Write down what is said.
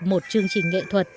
một chương trình nghệ thuật